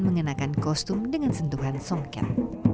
mengenakan kostum dengan sentuhan songka